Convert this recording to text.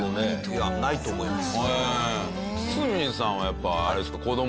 いやないと思います。